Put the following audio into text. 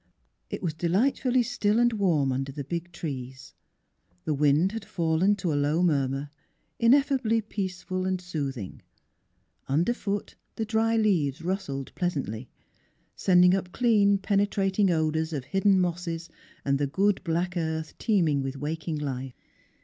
It was delightfully still and warm under the big trees; the wind had fallen to a low murmur, ineffably peaceful and soothing; under foot the dry leaves rustled pleasantly, sending up clean, penetrating odours of hidden mosses and the good black earth teeming with waking life.